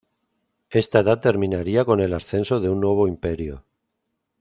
Esta edad terminaría con el ascenso de un Nuevo Imperio.